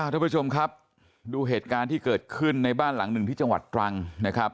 ทุกผู้ชมครับดูเหตุการณ์ที่เกิดขึ้นในบ้านหลังหนึ่งที่จังหวัดตรังนะครับ